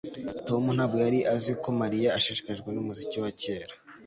Tom ntabwo yari azi ko Mariya ashishikajwe numuziki wa kera